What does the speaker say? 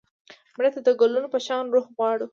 مړه ته د ګلونو په شان روح غواړو